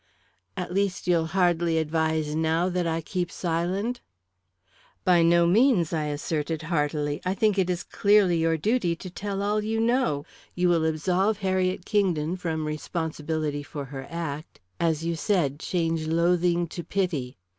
"At least, you'll hardly advise now that I keep silent?" "By no means," I asserted heartily. "I think it is clearly your duty to tell all you know. You will absolve Harriet Kingdon from responsibility for her act as you said, change loathing to pity.